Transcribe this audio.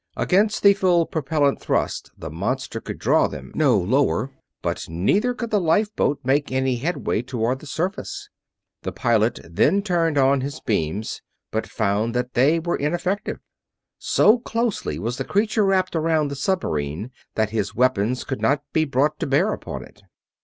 Against the full propellant thrust the monster could draw them no lower, but neither could the lifeboat make any headway toward the surface. The pilot then turned on his beams, but found that they were ineffective. So closely was the creature wrapped around the submarine that his weapons could not be brought to bear upon it.